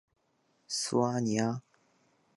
苏阿尼阿。